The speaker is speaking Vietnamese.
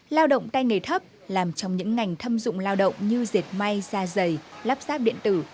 lao động tay nghề thấp làm trong những ngành thâm dụng lao động như diệt may da dày lắp ráp điện tử